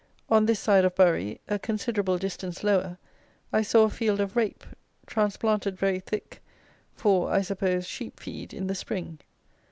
On this side of Bury, a considerable distance lower, I saw a field of Rape, transplanted very thick, for, I suppose, sheep feed in the spring.